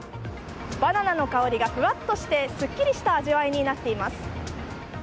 バナナの香りがふわっとしてすっきりした味わいになっています。